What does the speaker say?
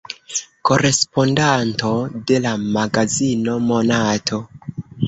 Korespondanto de la magazino Monato.